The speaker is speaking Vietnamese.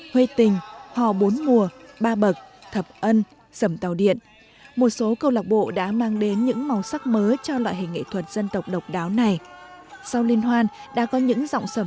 hát với tất cả niềm tự hát câu lạc bộ đã mang tới cho khán giả những bài sầm cổ nhất